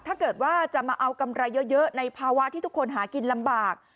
ถ้าเกิดว่าจะมาเอากำไรเยอะในภาวะที่ทุกคนหากินลำบาก